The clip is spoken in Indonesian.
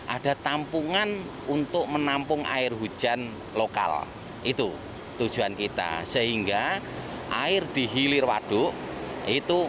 ada tampungan untuk menampung air hujan lokal itu tujuan kita sehingga air di hilir waduk itu